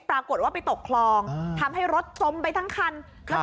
ปรากฏว่าไปตกคลองทำให้รถจมไปทั้งคัน